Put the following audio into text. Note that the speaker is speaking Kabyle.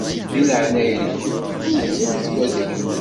Di leɛnaya-nkent qewmemt waki.